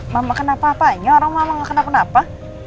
mama kenapa apa aja orang mama gak kenapa kenapa